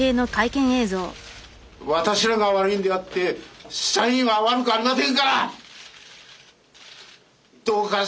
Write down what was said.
私らが悪いんであって社員は悪くありませんから！